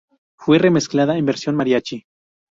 Fue remezclada en versión mariachi.